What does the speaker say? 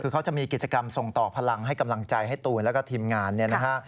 คือเขาจะมีกิจกรรมส่งต่อพลังให้กำลังใจให้ตูนแล้วก็ทีมงานเนี่ยนะฮะ